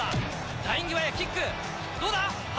ライン際へキック、どうだ？